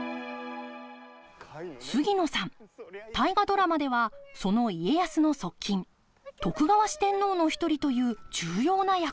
杉野さん「大河ドラマ」ではその家康の側近徳川四天王の一人という重要な役どころです。